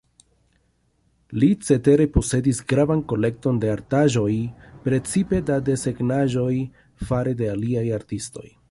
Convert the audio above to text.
Li cetere posedis gravan kolekton da artaĵoj, precipe da desegnaĵoj fare de aliaj artistoj.